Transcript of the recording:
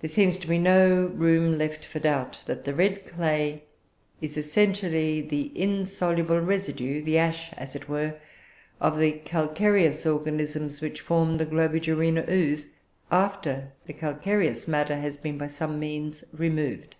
"There seems to be no room left for doubt that the red clay is essentially the insoluble residue, the ash, as it were, of the calcareous organisms which form the Globigerina ooze, after the calcareous matter has been by some means removed.